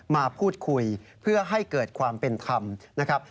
มาพูดคุยเพื่อให้เกิดความเป็นธรรมนะครับ